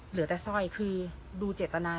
เหลือแต่สร้อยคือดูเจตนา